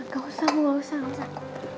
gak usah gak usah gak usah